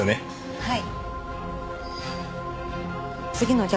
はい。